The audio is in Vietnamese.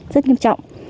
rất nghiêm trọng